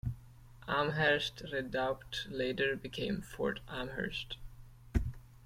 Amherst Redoubt later became Fort Amherst.